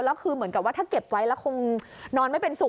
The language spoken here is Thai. แล้วคือเหมือนกับว่าถ้าเก็บไว้แล้วคงนอนไม่เป็นสุข